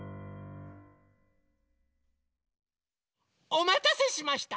おまたせしました！